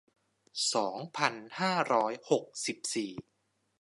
สองพันห้าร้อยหกสิบสี่